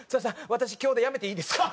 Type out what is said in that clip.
私今日でやめていいですか？」